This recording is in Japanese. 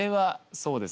そうですね。